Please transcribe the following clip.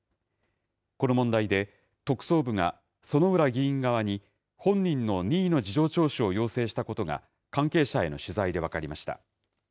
この問題で、特捜部が、薗浦議員側に本人の任意の事情聴取を要請したことが、関係者への取材で分かりました。